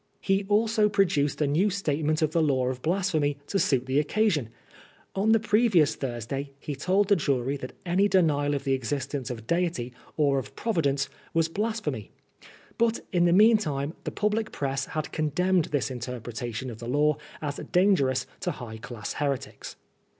He also produced a new statement of the Law of Blasphemy to suit the occasion. On the previoas Thursday he told the jury that any denial of the exis tence of Deity or of Providence was blasphemy. But in the meantime the public press had condemned this interpretation of the law as dangerous to high class heretics.